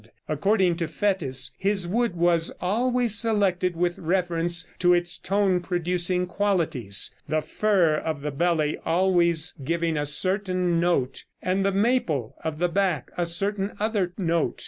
According to Fétis, his wood was always selected with reference to its tone producing qualities the fir of the belly always giving a certain note, and the maple of the back a certain other note.